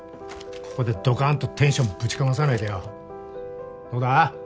ここでドカンとテンションぶちかまさないとよどうだ？